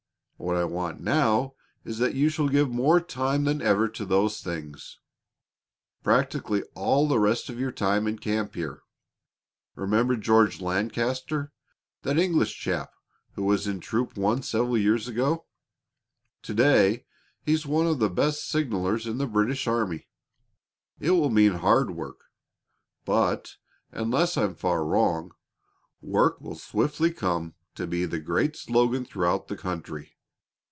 What I want now is that you shall give more time than ever to those things practically all the rest of your time in camp here. Remember George Lancaster, that English chap who was in Troop One several years ago. To day he's one of the best signalers in the British army. It will mean hard work, but, unless I'm far wrong, work will swiftly come to be the great slogan throughout the country.